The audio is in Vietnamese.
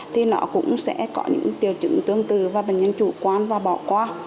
thì nó cũng sẽ có những triều chứng tương tư và bệnh nhân chủ quan và bỏ qua